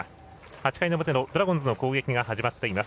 ８回の表のドラゴンズの攻撃が始まっています。